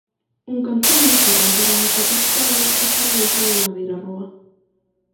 Un canciño, que rompera unha pata escuálida, estaba deitado na beirarrúa.